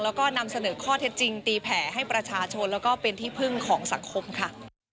แล้วก็นำเสนอข้อเท็จจริงตีแผ่ให้ประชาชนแล้วก็เป็นที่พึ่งของสังคมค่ะ